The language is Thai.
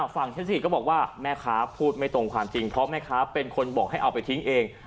ฉันสิก็บอกว่าแม่ค้าพูดไม่ตรงความจริงเพราะแม่ค้าเป็นคนบอกให้เอาไปทิ้งเอง